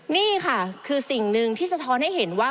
นี่ค่ะคือสิ่งหนึ่งที่สะท้อนให้เห็นว่า